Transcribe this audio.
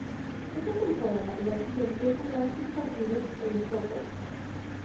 Esa temporada y la siguiente jugaban sus partidos en Sopot.